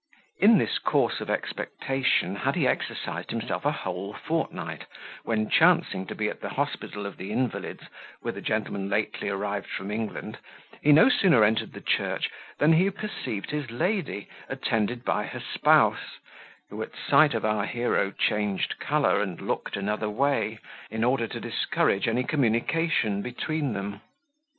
In this course of expectation had he exercised himself a whole fortnight, when, chancing to be at the Hospital of the Invalids with a gentleman lately arrived from England, he no sooner entered the church than he perceived his lady, attended by her spouse, who at sight of our hero changed colour and looked another way, in order to discourage any communication between them.